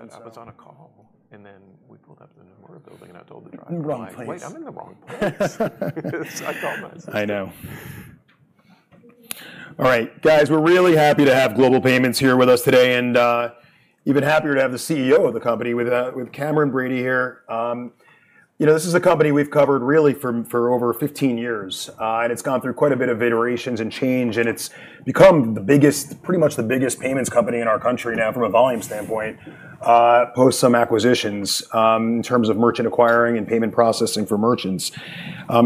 I was on a call, and then we pulled up to the Nomura building, and I told the driver. Wrong place. I'm like, "Wait, I'm in the wrong place." It's like, "Oh my. I know. All right. Guys, we're really happy to have Global Payments here with us today, and even happier to have the CEO of the company with Cameron Bready here. You know, this is a company we've covered really for over 15 years. It's gone through quite a bit of iterations and change, and it's become the biggest, pretty much the biggest payments company in our country now from a volume standpoint, post some acquisitions, in terms of merchant acquiring and payment processing for merchants.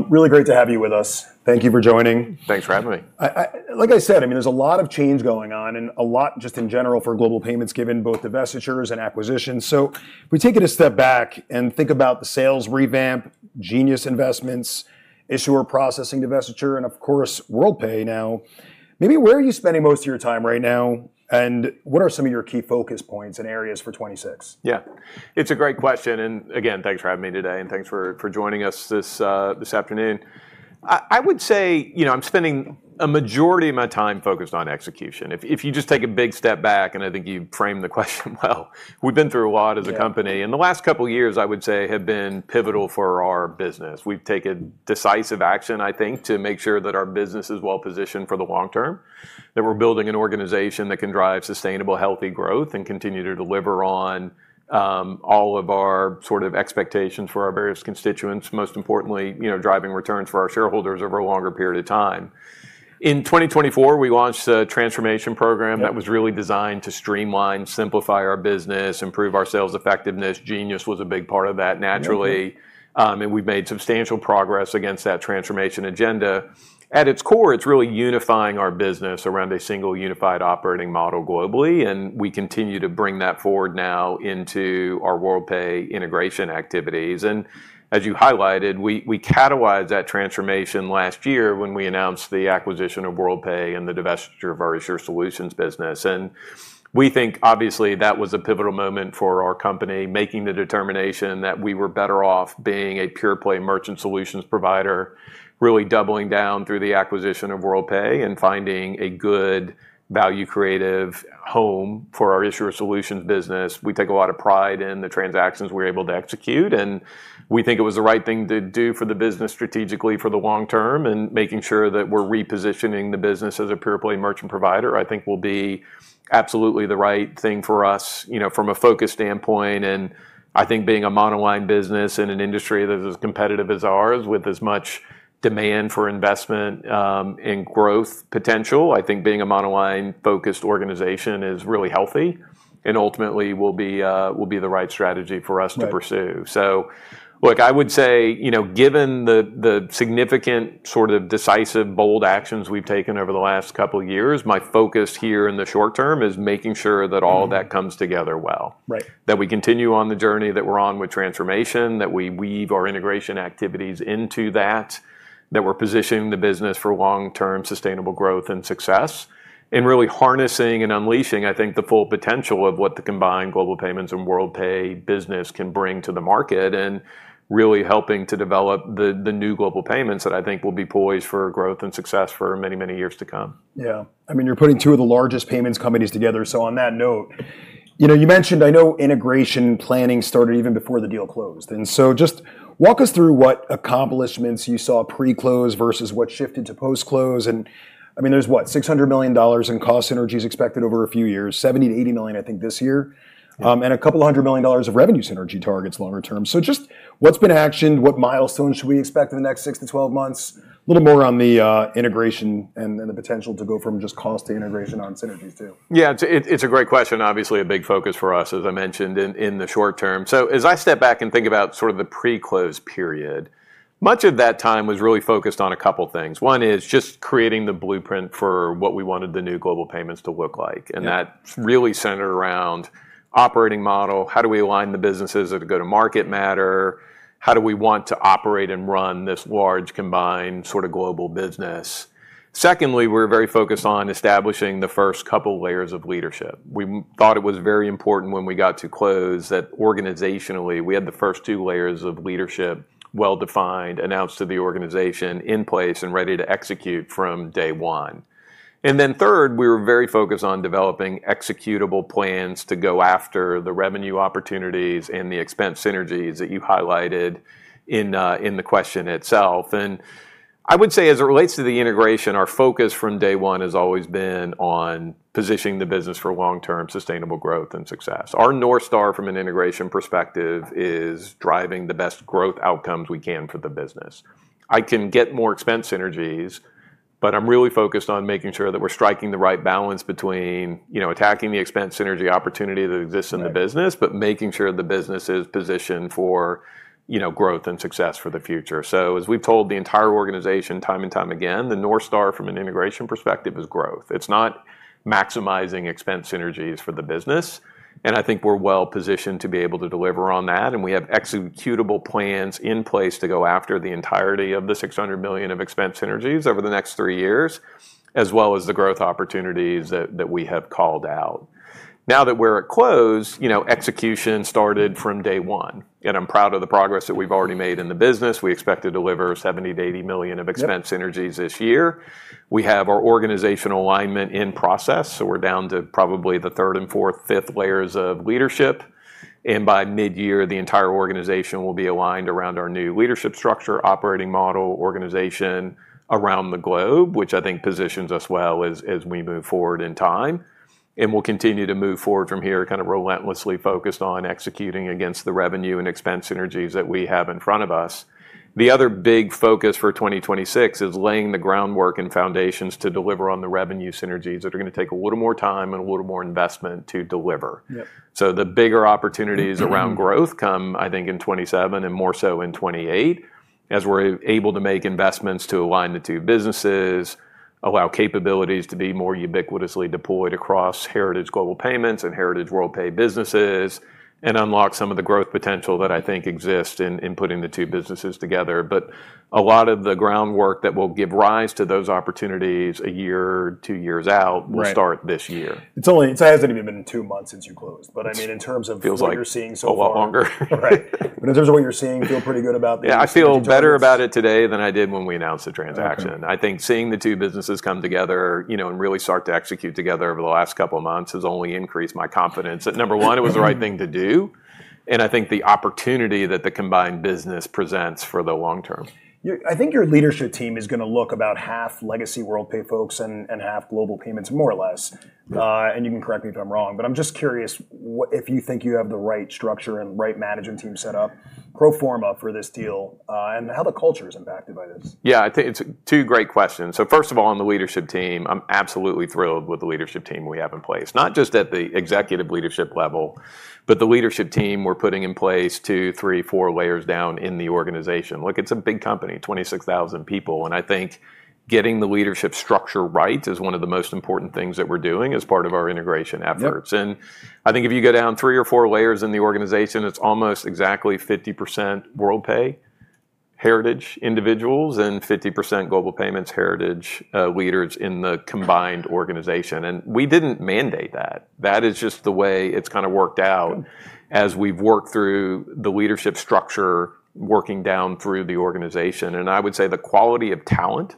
Really great to have you with us. Thank you for joining. Thanks for having me. Like I said, I mean, there's a lot of change going on and a lot just in general for Global Payments, given both divestitures and acquisitions. If we take it a step back and think about the sales revamp, Genius investments, Issuer Solutions divestiture, and of course, Worldpay now, maybe where are you spending most of your time right now, and what are some of your key focus points and areas for 2026? Yeah. It's a great question, and again, thanks for having me today, and thanks for joining us this afternoon. I would say, you know, I'm spending a majority of my time focused on execution. If you just take a big step back, and I think you framed the question well, we've been through a lot as a company. Yeah. The last couple years, I would say, have been pivotal for our business. We've taken decisive action, I think, to make sure that our business is well positioned for the long term, that we're building an organization that can drive sustainable healthy growth and continue to deliver on all of our sort of expectations for our various constituents, most importantly, you know, driving returns for our shareholders over a longer period of time. In 2024, we launched a transformation program. Yep that was really designed to streamline, simplify our business, improve our sales effectiveness. Genius was a big part of that naturally. Mm-hmm. We've made substantial progress against that transformation agenda. At its core, it's really unifying our business around a single unified operating model globally, and we continue to bring that forward now into our Worldpay integration activities. As you highlighted, we cataloged that transformation last year when we announced the acquisition of Worldpay and the divestiture of our Issuer Solutions business. We think, obviously, that was a pivotal moment for our company, making the determination that we were better off being a pure-play Merchant Solutions provider, really doubling down through the acquisition of Worldpay and finding a good value creative home for our Issuer Solutions business. We take a lot of pride in the transactions we're able to execute, and we think it was the right thing to do for the business strategically for the long term, and making sure that we're repositioning the business as a pure-play merchant provider, I think will be absolutely the right thing for us, you know, from a focus standpoint. I think being a monoline business in an industry that is as competitive as ours, with as much demand for investment, and growth potential, I think being a monoline focused organization is really healthy and ultimately will be the right strategy for us to pursue. Right. Look, I would say, you know, given the significant sort of decisive, bold actions we've taken over the last couple years, my focus here in the short term is making sure that all of that comes together well. Right. That we continue on the journey that we're on with transformation, that we weave our integration activities into that we're positioning the business for long-term sustainable growth and success, and really harnessing and unleashing, I think, the full potential of what the combined Global Payments and Worldpay business can bring to the market, and really helping to develop the new Global Payments that I think will be poised for growth and success for many, many years to come. Yeah. I mean, you're putting two of the largest payments companies together, so on that note, you know, you mentioned, I know integration planning started even before the deal closed. Just walk us through what accomplishments you saw pre-close versus what shifted to post-close. I mean, there's what? $600 million in cost synergies expected over a few years, $70 million-$80 million, I think, this year. Yeah. A couple of hundred million dollars of revenue synergy targets longer term. Just what's been actioned? What milestones should we expect in the next six months-12 months? A little more on the integration and the potential to go from just cost to integration on synergies too. Yeah. It's a great question, obviously a big focus for us, as I mentioned in the short term. As I step back and think about sort of the pre-close period, much of that time was really focused on a couple things. One is just creating the blueprint for what we wanted the new Global Payments to look like. Yeah. That really centered around operating model, how do we align the businesses as a go-to-market matter? How do we want to operate and run this large combined sort of global business? Secondly, we're very focused on establishing the first couple layers of leadership. We thought it was very important when we got to close that organizationally, we had the first two layers of leadership well defined, announced to the organization in place, and ready to execute from day one. Third, we were very focused on developing executable plans to go after the revenue opportunities and the expense synergies that you highlighted in the question itself. I would say as it relates to the integration, our focus from day one has always been on positioning the business for long-term sustainable growth and success. Our North Star from an integration perspective is driving the best growth outcomes we can for the business. I can get more expense synergies, but I'm really focused on making sure that we're striking the right balance between, you know, attacking the expense synergy opportunity that exists in the business. Right making sure the business is positioned for, you know, growth and success for the future. As we've told the entire organization time and time again, the North Star from an integration perspective is growth. It's not maximizing expense synergies for the business, and I think we're well positioned to be able to deliver on that, and we have executable plans in place to go after the entirety of the $600 million of expense synergies over the next three years, as well as the growth opportunities that we have called out. Now that we're at close, you know, execution started from day one, and I'm proud of the progress that we've already made in the business. We expect to deliver $70 million-$80 million of expense synergies this year. Yep. We have our organizational alignment in process, so we're down to probably the third and fourth, fifth layers of leadership, and by midyear, the entire organization will be aligned around our new leadership structure operating model organization around the globe, which I think positions us well as we move forward in time. We'll continue to move forward from here, kind of relentlessly focused on executing against the revenue and expense synergies that we have in front of us. The other big focus for 2026 is laying the groundwork and foundations to deliver on the revenue synergies that are gonna take a little more time and a little more investment to deliver. Yeah. The bigger opportunities around growth come, I think, in 2027 and more so in 2028. As we're able to make investments to align the two businesses, allow capabilities to be more ubiquitously deployed across Heritage Global Payments and Heritage Worldpay businesses, and unlock some of the growth potential that I think exists in putting the two businesses together. A lot of the groundwork that will give rise to those opportunities a year, two years out. Right will start this year. It hasn't even been two months since you closed. I mean, in terms of what you're seeing so far. Feels like a lot longer. Right. In terms of what you're seeing, feel pretty good about the integration. Yeah, I feel better about it today than I did when we announced the transaction. Okay. I think seeing the two businesses come together, you know, and really start to execute together over the last couple of months has only increased my confidence that, number one, it was the right thing to do, and I think the opportunity that the combined business presents for the long term. I think your leadership team is gonna look about half legacy Worldpay folks and half Global Payments, more or less. You can correct me if I'm wrong, but I'm just curious what if you think you have the right structure and right management team set up pro forma for this deal, and how the culture is impacted by this. Yeah. I think it's two great questions. First of all, on the leadership team, I'm absolutely thrilled with the leadership team we have in place, not just at the executive leadership level, but the leadership team we're putting in place two layers, three layers, four layers down in the organization. Look, it's a big company, 26,000 people, and I think getting the leadership structure right is one of the most important things that we're doing as part of our integration efforts. Yep. I think if you go down three layers or four layers in the organization, it's almost exactly 50% Heritage Worldpay individuals and 50% Heritage Global Payments leaders in the combined organization. We didn't mandate that. That is just the way it's kinda worked out as we've worked through the leadership structure, working down through the organization. I would say the quality of talent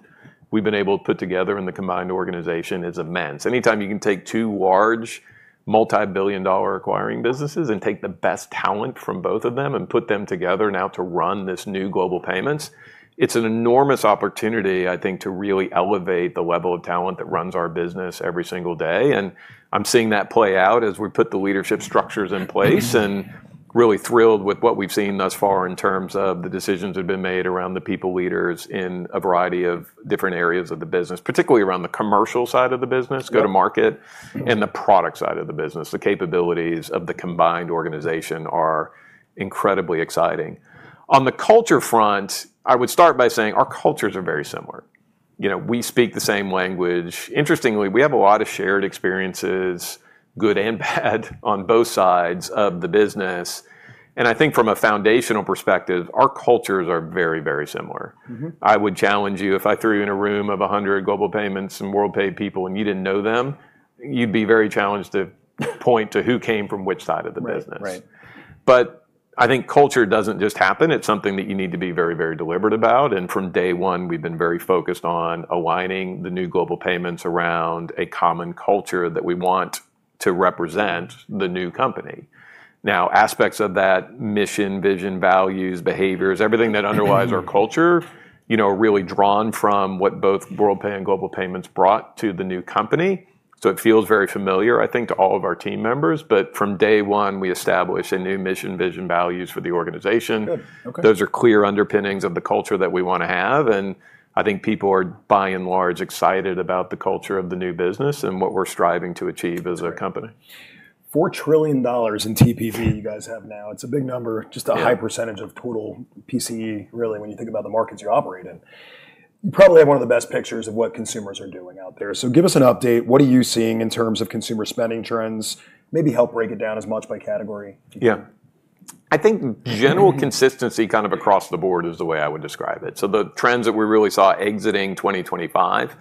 we've been able to put together in the combined organization is immense. Anytime you can take two large multi-billion dollar acquiring businesses and take the best talent from both of them and put them together now to run this new Global Payments, it's an enormous opportunity, I think, to really elevate the level of talent that runs our business every single day. I'm seeing that play out as we put the leadership structures in place, and really thrilled with what we've seen thus far in terms of the decisions that have been made around the people leaders in a variety of different areas of the business, particularly around the commercial side of the business. Yeah... go to market, and the product side of the business. The capabilities of the combined organization are incredibly exciting. On the culture front, I would start by saying our cultures are very similar. You know, we speak the same language. Interestingly, we have a lot of shared experiences, good and bad, on both sides of the business. I think from a foundational perspective, our cultures are very, very similar. Mm-hmm. I would challenge you if I threw you in a room of 100 Global Payments and Worldpay people and you didn't know them, you'd be very challenged to point to who came from which side of the business. Right. Right. I think culture doesn't just happen. It's something that you need to be very, very deliberate about. From day one, we've been very focused on aligning the new Global Payments around a common culture that we want to represent the new company. Now, aspects of that mission, vision, values, behaviors, everything that underlies our culture, you know, are really drawn from what both Worldpay and Global Payments brought to the new company. It feels very familiar, I think, to all of our team members. From day one, we established a new mission, vision, values for the organization. Good. Okay. Those are clear underpinnings of the culture that we wanna have, and I think people are by and large excited about the culture of the new business and what we're striving to achieve as a company. $4 trillion in TPV you guys have now, it's a big number, just a high percentage of total PCE, really, when you think about the markets you operate in. You probably have one of the best pictures of what consumers are doing out there. Give us an update. What are you seeing in terms of consumer spending trends? Maybe help break it down as much by category? Yeah. I think general consistency kind of across the board is the way I would describe it. The trends that we really saw exiting 2025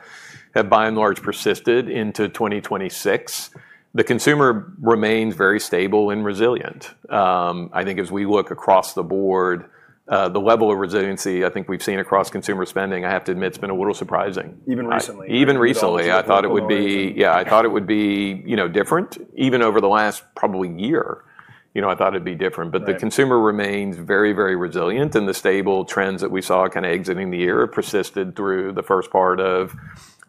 have by and large persisted into 2026. The consumer remains very stable and resilient. I think as we look across the board, the level of resiliency I think we've seen across consumer spending, I have to admit, it's been a little surprising. Even recently? Even recently. I thought it would be. Yeah, I thought it would be, you know, different. Even over the last probably year, you know, I thought it'd be different. Right. The consumer remains very, very resilient, and the stable trends that we saw kinda exiting the year persisted through the first part of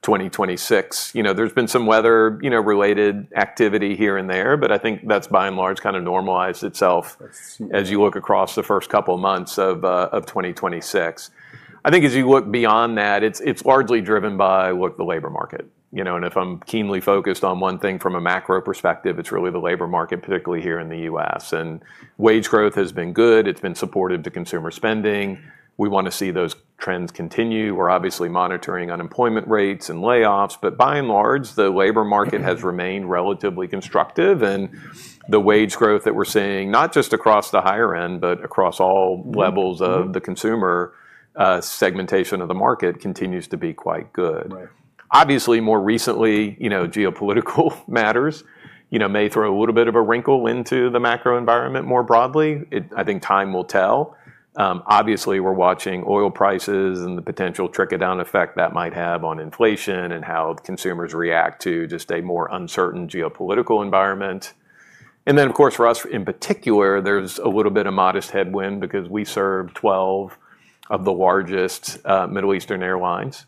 2026. You know, there's been some weather, you know, related activity here and there, but I think that's by and large kinda normalized itself as you look across the first couple of months of 2026. I think as you look beyond that, it's largely driven by, look, the labor market, you know. If I'm keenly focused on one thing from a macro perspective, it's really the labor market, particularly here in the U.S. Wage growth has been good. It's been supportive to consumer spending. We wanna see those trends continue. We're obviously monitoring unemployment rates and layoffs, but by and large, the labor market has remained relatively constructive. The wage growth that we're seeing, not just across the higher end, but across all levels of the consumer segmentation of the market continues to be quite good. Right. Obviously, more recently, you know, geopolitical matters, you know, may throw a little bit of a wrinkle into the macro environment more broadly. I think time will tell. Obviously we're watching oil prices and the potential trickle-down effect that might have on inflation and how consumers react to just a more uncertain geopolitical environment. Of course, for us in particular, there's a little bit of modest headwind because we serve 12 of the largest Middle Eastern airlines.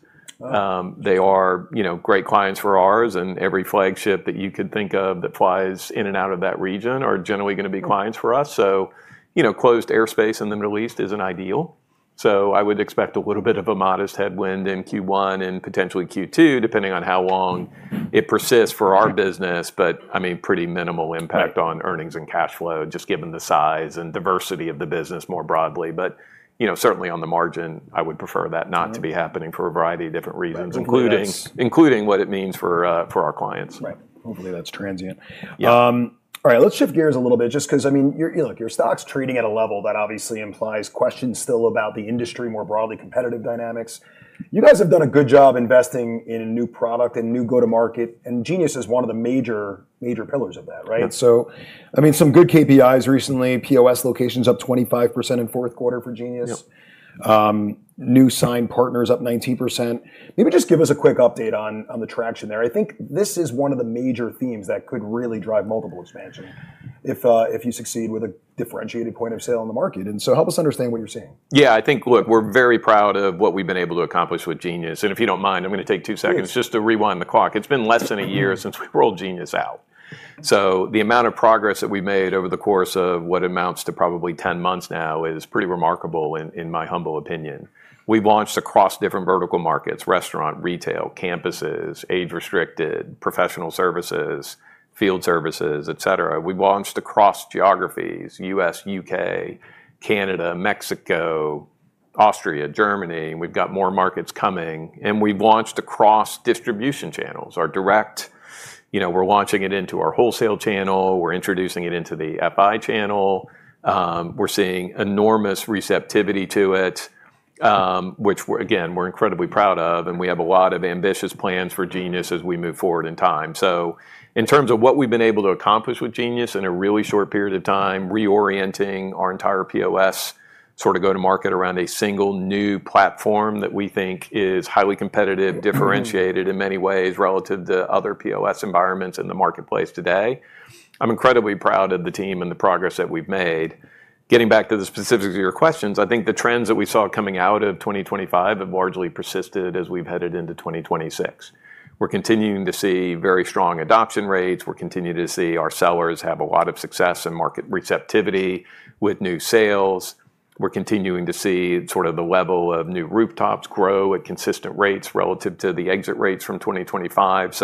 They are, you know, great clients for ours, and every flagship that you could think of that flies in and out of that region are generally gonna be clients for us. You know, closed airspace in the Middle East isn't ideal. I would expect a little bit of a modest headwind in Q1 and potentially Q2, depending on how long it persists for our business. I mean, pretty minimal impact on earnings and cash flow, just given the size and diversity of the business more broadly. You know, certainly on the margin, I would prefer that not to be happening for a variety of different reasons, including what it means for our clients. Right. Hopefully, that's transient. Yeah. All right, let's shift gears a little bit just 'cause, I mean, look, your stock's trading at a level that obviously implies questions still about the industry, more broadly competitive dynamics. You guys have done a good job investing in new product and new go-to-market, and Genius is one of the major pillars of that, right? Yeah. I mean, some good KPIs recently, POS locations up 25% in Q4 for Genius. Yep. New signed partners up 19%. Maybe just give us a quick update on the traction there. I think this is one of the major themes that could really drive multiple expansion if you succeed with a differentiated point of sale in the market. Help us understand what you're seeing. Yeah, I think, look, we're very proud of what we've been able to accomplish with Genius. If you don't mind, I'm gonna take two seconds- Yeah Just to rewind the clock. It's been less than a year since we rolled Genius out. The amount of progress that we've made over the course of what amounts to probably 10 months now is pretty remarkable in my humble opinion. We've launched across different vertical markets, restaurant, retail, campuses, age restricted, professional services, field services, et cetera. We've launched across geographies, U.S., U.K., Canada, Mexico, Austria, Germany, and we've got more markets coming. We've launched across distribution channels. Our direct, you know, we're launching it into our wholesale channel, we're introducing it into the FI channel. We're seeing enormous receptivity to it, again, we're incredibly proud of, and we have a lot of ambitious plans for Genius as we move forward in time. In terms of what we've been able to accomplish with Genius in a really short period of time, reorienting our entire POS, sort of go to market around a single new platform that we think is highly competitive, differentiated in many ways relative to other POS environments in the marketplace today. I'm incredibly proud of the team and the progress that we've made. Getting back to the specifics of your questions, I think the trends that we saw coming out of 2025 have largely persisted as we've headed into 2026. We're continuing to see very strong adoption rates. We're continuing to see our sellers have a lot of success and market receptivity with new sales. We're continuing to see sort of the level of new rooftops grow at consistent rates relative to the exit rates from 2025.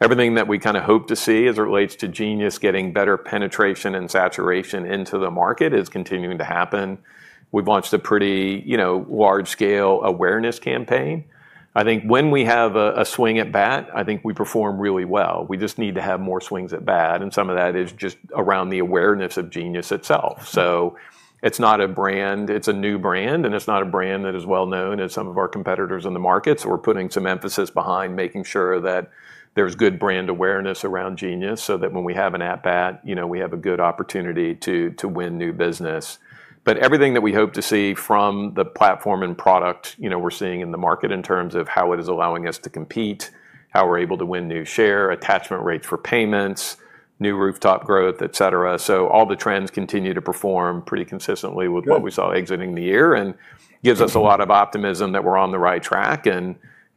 Everything that we kinda hope to see as it relates to Genius getting better penetration and saturation into the market is continuing to happen. We've launched a pretty, you know, large-scale awareness campaign. I think when we have a swing at bat, I think we perform really well. We just need to have more swings at bat, and some of that is just around the awareness of Genius itself. It's not a brand, it's a new brand, and it's not a brand that is well known as some of our competitors in the market. We're putting some emphasis behind making sure that there's good brand awareness around Genius, so that when we have an at bat, you know, we have a good opportunity to win new business. Everything that we hope to see from the platform and product, you know, we're seeing in the market in terms of how it is allowing us to compete, how we're able to win new share, attachment rates for payments, new rooftop growth, et cetera. All the trends continue to perform pretty consistently with what we saw exiting the year, and gives us a lot of optimism that we're on the right track.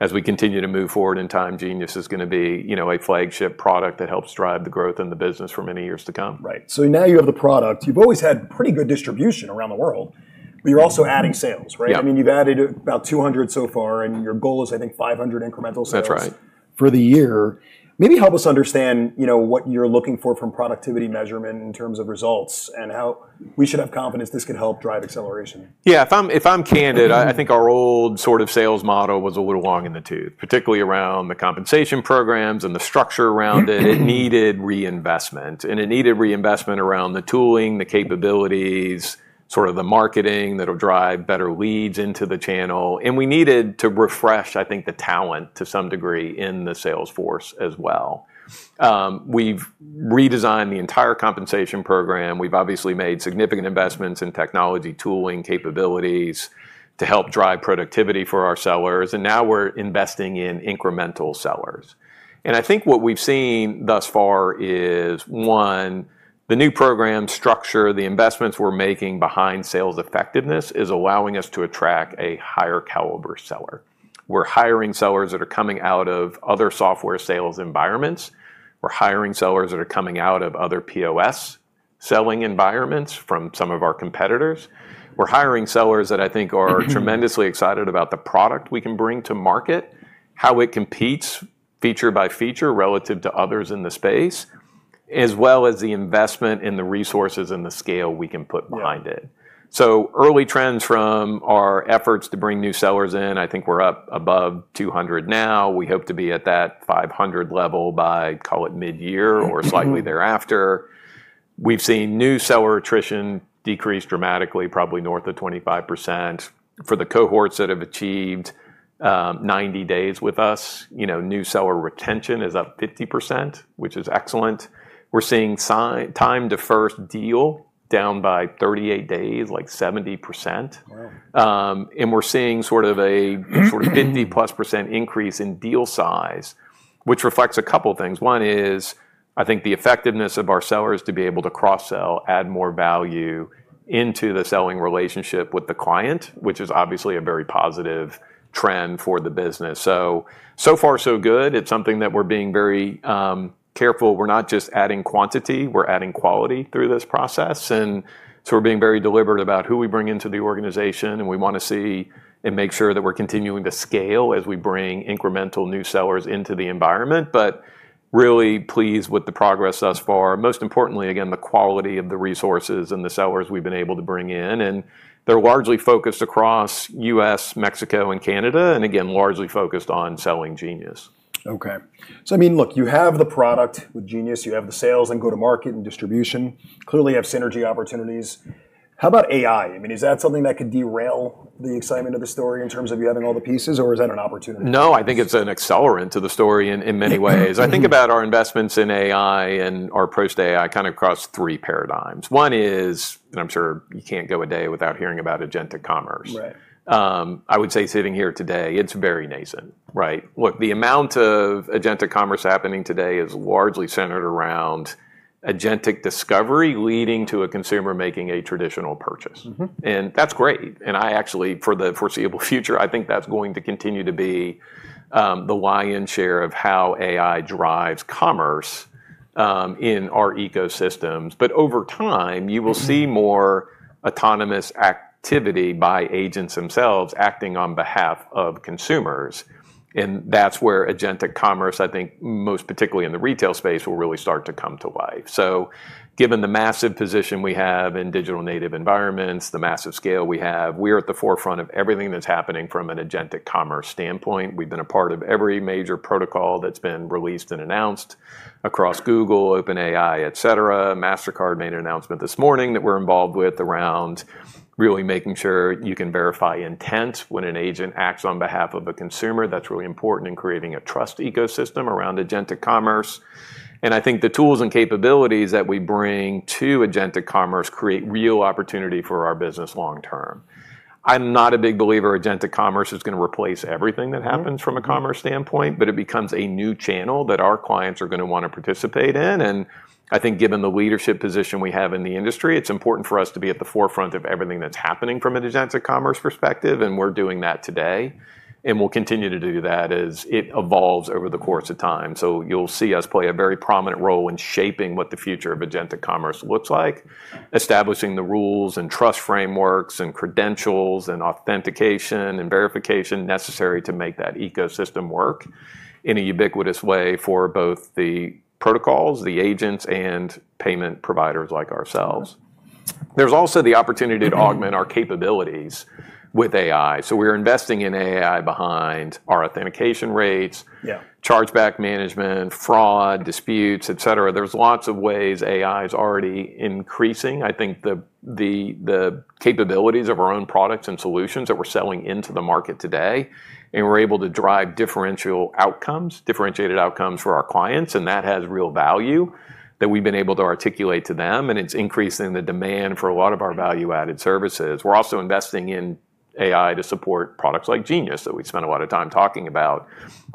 As we continue to move forward in time, Genius is gonna be, you know, a flagship product that helps drive the growth in the business for many years to come. Right. Now you have the product. You've always had pretty good distribution around the world, but you're also adding sales, right? Yeah. I mean, you've added about 200 so far, and your goal is, I think, 500 incremental sales. That's right. for the year. Maybe help us understand, you know, what you're looking for from productivity measurement in terms of results, and how we should have confidence this can help drive acceleration? Yeah, if I'm candid, I think our old sort of sales model was a little long in the tooth, particularly around the compensation programs and the structure around it. It needed reinvestment, and it needed reinvestment around the tooling, the capabilities, sort of the marketing that'll drive better leads into the channel. We needed to refresh, I think, the talent to some degree in the sales force as well. We've redesigned the entire compensation program. We've obviously made significant investments in technology tooling capabilities to help drive productivity for our sellers, and now we're investing in incremental sellers. I think what we've seen thus far is, one, the new program structure, the investments we're making behind sales effectiveness, is allowing us to attract a higher caliber seller. We're hiring sellers that are coming out of other software sales environments. We're hiring sellers that are coming out of other POS selling environments from some of our competitors. We're hiring sellers that I think are tremendously excited about the product we can bring to market, how it competes feature by feature relative to others in the space, as well as the investment in the resources and the scale we can put behind it. Yeah. Early trends from our efforts to bring new sellers in, I think we're up above 200 now. We hope to be at that 500 level by, call it midyear or slightly thereafter. We've seen new seller attrition decrease dramatically, probably north of 25%. For the cohorts that have achieved 90 days with us, you know, new seller retention is up 50%, which is excellent. We're seeing time to first deal down by 38 days, like 70%. Wow. We're seeing sort of 50%+ increase in deal size, which reflects a couple things. One is, I think the effectiveness of our sellers to be able to cross-sell, add more value into the selling relationship with the client, which is obviously a very positive trend for the business. So far so good. It's something that we're being very careful. We're not just adding quantity, we're adding quality through this process. We're being very deliberate about who we bring into the organization, and we wanna see and make sure that we're continuing to scale as we bring incremental new sellers into the environment. Really pleased with the progress thus far. Most importantly, again, the quality of the resources and the sellers we've been able to bring in, and they're largely focused across U.S., Mexico and Canada, and again, largely focused on selling Genius. Okay. I mean, look, you have the product with Genius, you have the sales and go-to-market and distribution. Clearly you have synergy opportunities. How about AI? I mean, is that something that could derail the excitement of the story in terms of you having all the pieces, or is that an opportunity? No, I think it's an accelerant to the story in many ways. I think about our investments in AI and our approach to AI kind of across three paradigms. One is, and I'm sure you can't go a day without hearing about agentic commerce. Right. I would say sitting here today, it's very nascent, right? Look, the amount of agentic commerce happening today is largely centered around agentic discovery leading to a consumer making a traditional purchase. Mm-hmm. That's great, and I actually, for the foreseeable future, I think that's going to continue to be the lion share of how AI drives commerce in our ecosystems. But over time- Mm-hmm You will see more autonomous activity by agents themselves acting on behalf of consumers, and that's where agentic commerce, I think most particularly in the retail space, will really start to come to life. Given the massive position we have in digital native environments, the massive scale we have, we are at the forefront of everything that's happening from an agentic commerce standpoint. We've been a part of every major protocol that's been released and announced across Google, OpenAI, et cetera. Mastercard made an announcement this morning that we're involved with around really making sure you can verify intent when an agent acts on behalf of a consumer. That's really important in creating a trust ecosystem around agentic commerce. I think the tools and capabilities that we bring to agentic commerce create real opportunity for our business long term. I'm not a big believer that agentic commerce is gonna replace everything that happens. Mm-hmm From a commerce standpoint, it becomes a new channel that our clients are gonna wanna participate in. I think given the leadership position we have in the industry, it's important for us to be at the forefront of everything that's happening from an agentic commerce perspective, and we're doing that today, and we'll continue to do that as it evolves over the course of time. You'll see us play a very prominent role in shaping what the future of agentic commerce looks like, establishing the rules and trust frameworks and credentials and authentication and verification necessary to make that ecosystem work in a ubiquitous way for both the protocols, the agents and payment providers like ourselves. Mm-hmm. There's also the opportunity. Mm-hmm to augment our capabilities with AI. We're investing in AI behind our authentication rates. Yeah Chargeback management, fraud, disputes, et cetera. There's lots of ways AI is already increasing, I think the capabilities of our own products and solutions that we're selling into the market today, and we're able to drive differential outcomes, differentiated outcomes for our clients, and that has real value that we've been able to articulate to them, and it's increasing the demand for a lot of our value-added services. We're also investing in AI to support products like Genius that we spent a lot of time talking about.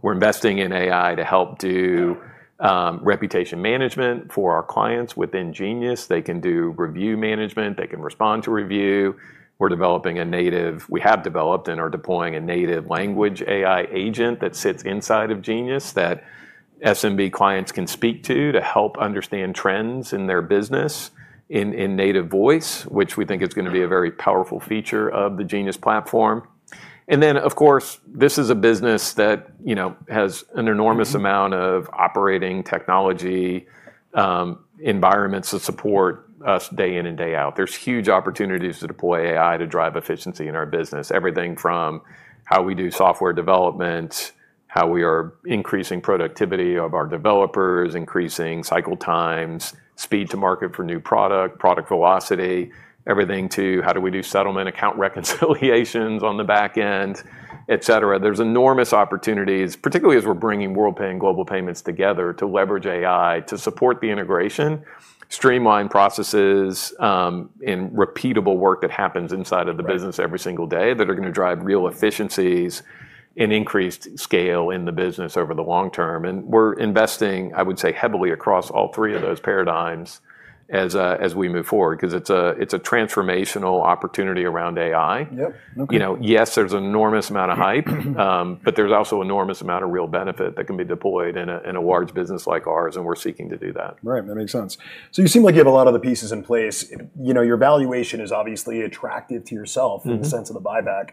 We're investing in AI to help do reputation management for our clients within Genius. They can do review management. They can respond to review. We're developing a native We have developed and are deploying a native language AI agent that sits inside of Genius that SMB clients can speak to to help understand trends in their business in native voice, which we think is gonna be a very powerful feature of the Genius platform. Of course, this is a business that, you know, has an enormous Mm-hmm amount of operating technology environments that support us day in and day out. There's huge opportunities to deploy AI to drive efficiency in our business. Everything from how we do software development, how we are increasing productivity of our developers, increasing cycle times, speed to market for new product velocity, everything to how do we do settlement account reconciliations on the back end, etc. There's enormous opportunities, particularly as we're bringing Worldpay and Global Payments together to leverage AI to support the integration, streamline processes, and repeatable work that happens inside of the business every single day that are gonna drive real efficiencies and increased scale in the business over the long term. We're investing, I would say, heavily across all three of those paradigms as we move forward, 'cause it's a transformational opportunity around AI. Yep. Okay. You know, yes, there's enormous amount of hype, but there's also enormous amount of real benefit that can be deployed in a large business like ours, and we're seeking to do that. Right. That makes sense. You seem like you have a lot of the pieces in place. You know, your valuation is obviously attractive to yourself- Mm-hmm in the sense of the buyback that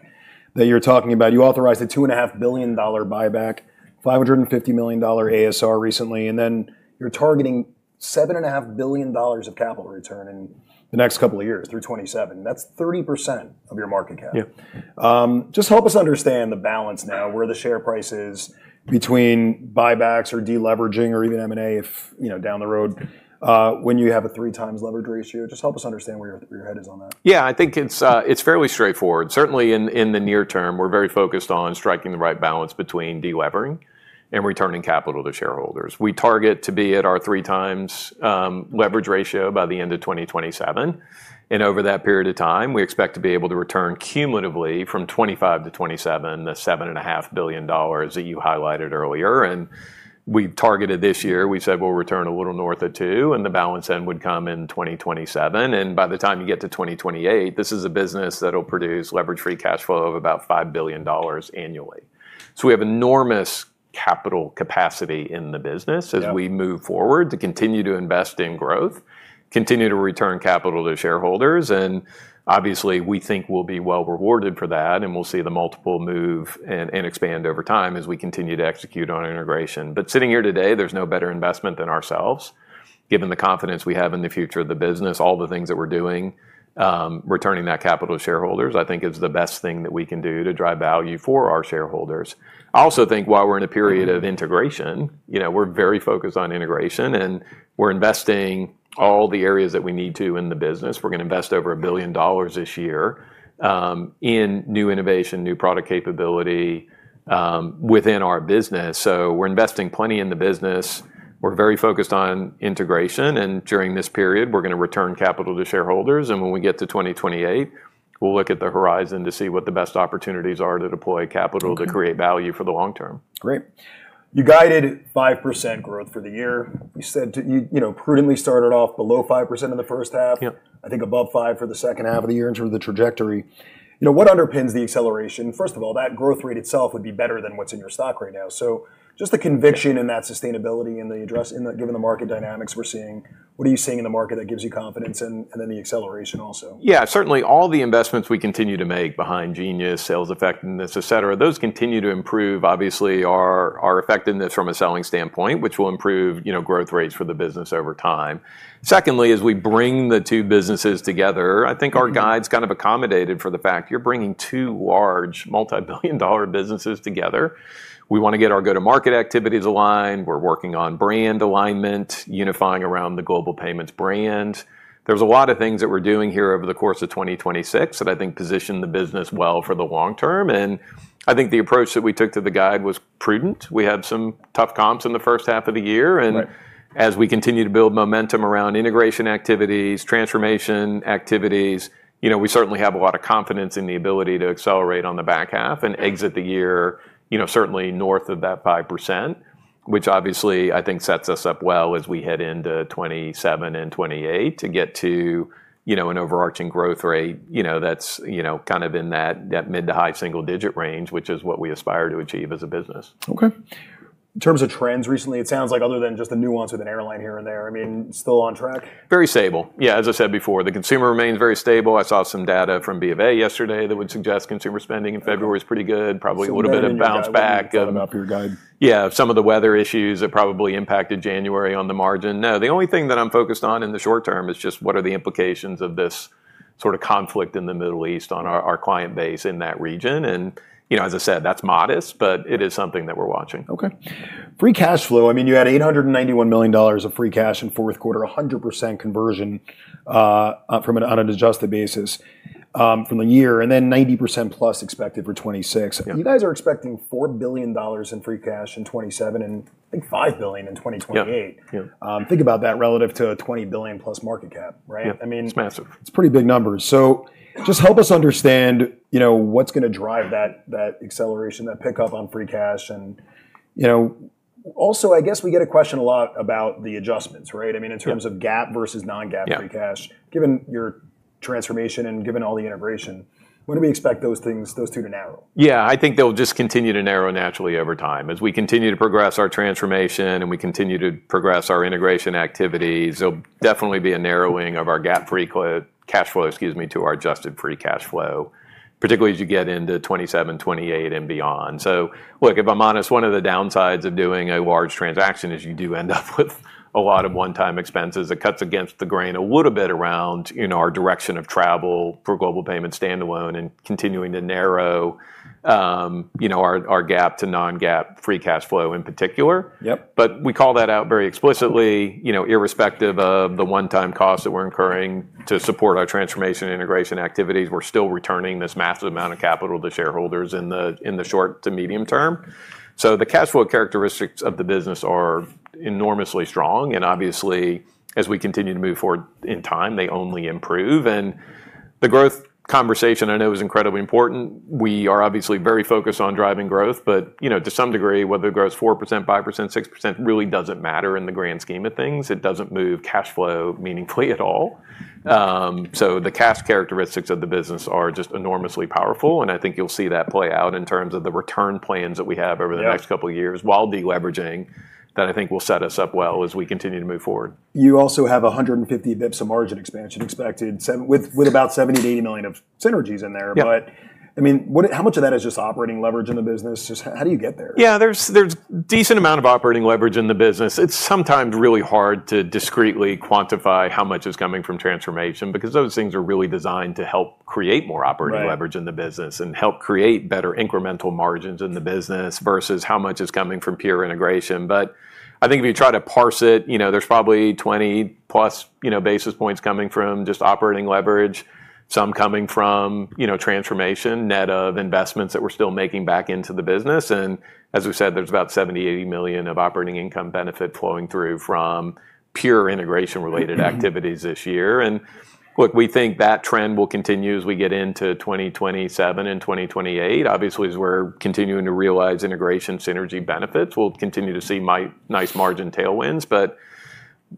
you're talking about. You authorized a $2.5 billion buyback, $550 million ASR recently, and then you're targeting $7.5 billion of capital return in- The next couple of years through 2027. That's 30% of your market cap. Yeah. Just help us understand the balance now, where the share price is between buybacks or de-leveraging or even M&A if, you know, down the road, when you have a 3x leverage ratio. Just help us understand where your head is on that. Yeah. I think it's fairly straightforward. Certainly in the near term, we're very focused on striking the right balance between delevering and returning capital to shareholders. We target to be at our 3x leverage ratio by the end of 2027, and over that period of time, we expect to be able to return cumulatively from 2025-2027, the $7.5 billion that you highlighted earlier. We targeted this year, we said we'll return a little north of $2 billion, and the balance then would come in 2027, and by the time you get to 2028, this is a business that'll produce levered free cash flow of about $5 billion annually. We have enormous capital capacity in the business- Yeah. As we move forward to continue to invest in growth, continue to return capital to shareholders, and obviously, we think we'll be well rewarded for that, and we'll see the multiple move and expand over time as we continue to execute on integration. Sitting here today, there's no better investment than ourselves, given the confidence we have in the future of the business, all the things that we're doing, returning that capital to shareholders, I think is the best thing that we can do to drive value for our shareholders. I also think while we're in a period of integration, you know, we're very focused on integration, and we're investing all the areas that we need to in the business. We're gonna invest over $1 billion this year in new innovation, new product capability within our business. We're investing plenty in the business. We're very focused on integration, and during this period, we're gonna return capital to shareholders. When we get to 2028, we'll look at the horizon to see what the best opportunities are to deploy capital. Mm-hmm. to create value for the long term. Great. You guided 5% growth for the year. You said to... you know, prudently started off below 5% in the H1. Yeah. I think above 5% for the H2 of the year in terms of the trajectory. You know, what underpins the acceleration? First of all, that growth rate itself would be better than what's in your stock right now. Just the conviction in that sustainability and, given the market dynamics we're seeing, what are you seeing in the market that gives you confidence, and then the acceleration also? Yeah. Certainly, all the investments we continue to make behind Genius, sales effectiveness, et cetera, those continue to improve. Obviously, our effectiveness from a selling standpoint, which will improve, you know, growth rates for the business over time. Secondly, as we bring the two businesses together, I think our guide's kind of accommodated for the fact you're bringing two large multi-billion dollar businesses together. We wanna get our go-to-market activities aligned. We're working on brand alignment, unifying around the Global Payments brand. There's a lot of things that we're doing here over the course of 2026 that I think position the business well for the long term. I think the approach that we took to the guide was prudent. We had some tough comps in the H1 of the year. Right. As we continue to build momentum around integration activities, transformation activities, you know, we certainly have a lot of confidence in the ability to accelerate on the back 1/2 and exit the year, you know, certainly north of that 5%, which obviously I think sets us up well as we head into 2027 and 2028 to get to, you know, an overarching growth rate, you know, that's, you know, kind of in that mid- to high-single-digit range, which is what we aspire to achieve as a business. Okay. In terms of trends recently, it sounds like other than just the nuance with an airline here and there, I mean, still on track. Very stable. Yeah, as I said before, the consumer remains very stable. I saw some data from Bank of America yesterday that would suggest consumer spending in February is pretty good. Probably would have been a bounce back of. Some leeway in your guide when you bottom up your guide. Yeah, some of the weather issues that probably impacted January on the margin. No, the only thing that I'm focused on in the short term is just what are the implications of this sort of conflict in the Middle East on our client base in that region. You know, as I said, that's modest, but it is something that we're watching. Okay. Free cash flow, I mean, you had $891 million of free cash in Q4, 100% conversion from an unadjusted basis from the year, and then 90%+ expected for 2026. Yeah. You guys are expecting $4 billion in free cash in 2027 and I think $5 billion in 2028. Yeah. Yeah. Think about that relative to a $20 billion+ market cap, right? Yeah. I mean. It's massive. It's pretty big numbers. Just help us understand, you know, what's gonna drive that acceleration, that pickup on free cash and, you know, also, I guess we get a question a lot about the adjustments, right? I mean, in terms of. Yeah. GAAP versus non-GAAP free cash. Yeah. Given your transformation and given all the integration, when do we expect those things, those two to narrow? Yeah. I think they'll just continue to narrow naturally over time. As we continue to progress our transformation and we continue to progress our integration activities, there'll definitely be a narrowing of our GAAP cash flow, excuse me, to our adjusted free cash flow, particularly as you get into 2027, 2028 and beyond. Look, if I'm honest, one of the downsides of doing a large transaction is you do end up with a lot of one-time expenses. It cuts against the grain a little bit around, you know, our direction of travel for Global Payments standalone and continuing to narrow, you know, our GAAP to non-GAAP free cash flow in particular. Yep. We call that out very explicitly, you know, irrespective of the one-time cost that we're incurring to support our transformation and integration activities. We're still returning this massive amount of capital to shareholders in the short to medium term. The cash flow characteristics of the business are enormously strong, and obviously, as we continue to move forward in time, they only improve. The growth conversation I know is incredibly important. We are obviously very focused on driving growth, but, you know, to some degree, whether it grows 4%, 5%, 6% really doesn't matter in the grand scheme of things. It doesn't move cash flow meaningfully at all. The cash characteristics of the business are just enormously powerful, and I think you'll see that play out in terms of the return plans that we have over the next couple of years while deleveraging, that I think will set us up well as we continue to move forward. You also have 150 basis points of margin expansion expected with about $70 million-$80 million of synergies in there. Yeah. I mean, how much of that is just operating leverage in the business? Just how do you get there? Yeah. There's decent amount of operating leverage in the business. It's sometimes really hard to discretely quantify how much is coming from transformation, because those things are really designed to help create more operating leverage. Right. in the business and help create better incremental margins in the business versus how much is coming from pure integration. I think if you try to parse it, you know, there's probably 20+, you know, basis points coming from just operating leverage, some coming from, you know, transformation, net of investments that we're still making back into the business. As we've said, there's about $70-$80 million of operating income benefit flowing through from pure integration related activities this year. Look, we think that trend will continue as we get into 2027 and 2028. Obviously, as we're continuing to realize integration synergy benefits, we'll continue to see nice margin tailwinds.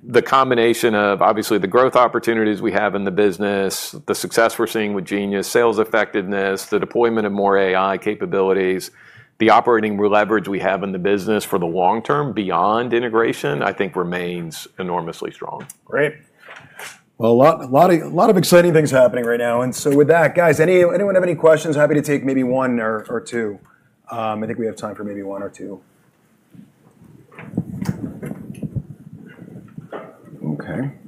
The combination of obviously the growth opportunities we have in the business, the success we're seeing with Genius, sales effectiveness, the deployment of more AI capabilities, the operating leverage we have in the business for the long term beyond integration, I think remains enormously strong. Great. Well, a lot of exciting things happening right now. With that, guys, anyone have any questions? Happy to take maybe one or two. I think we have time for maybe one or two. Okay.